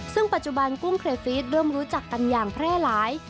ซึ่งปัจจุบันกุ้งเครฟีสเริ่มรู้จักกันอย่างแพร่หลาย